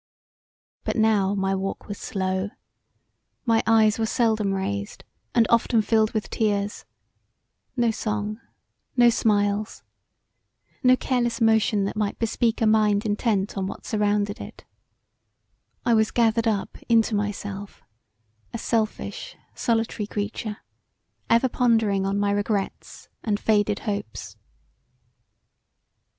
But now my walk was slow My eyes were seldom raised and often filled with tears; no song; no smiles; no careless motion that might bespeak a mind intent on what surrounded it I was gathered up into myself a selfish solitary creature ever pondering on my regrets and faded hopes.